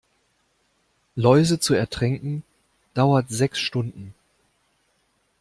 Läuse zu ertränken, dauert sechs Stunden.